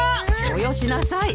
およしなさい。